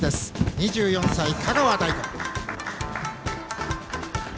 ２４歳、香川大吾。